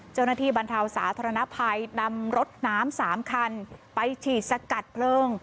เจ้าหน้าที่บรรเทาสาธารณภัยนำรถน้ำ๓คันไปฉีดสกัดเพลิง